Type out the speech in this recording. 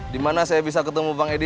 di mana saya bisa ketemu bang edi